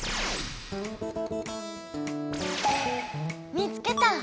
見つけた！